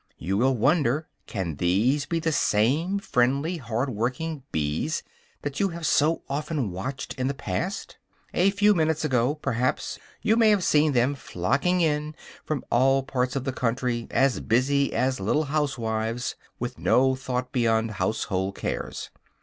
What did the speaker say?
You will wonder, can these be the same friendly, hard working bees that you have so often watched in the past? A few minutes ago, perhaps, you may have seen them flocking in from all parts of the country, as busy as little housewives, with no thought beyond household cares.